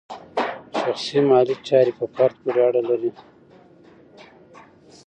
شخصي مالي چارې په فرد پورې اړه لري.